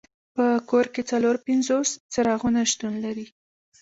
په کور کې څلور پنځوس څراغونه شتون لري.